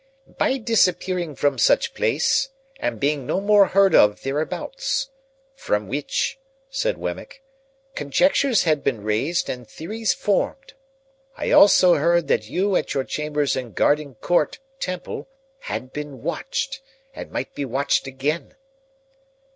"—By disappearing from such place, and being no more heard of thereabouts. From which," said Wemmick, "conjectures had been raised and theories formed. I also heard that you at your chambers in Garden Court, Temple, had been watched, and might be watched again."